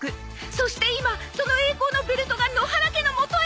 そして今その栄光のベルトが野原家のもとへ